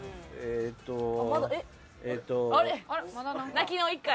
泣きの１回？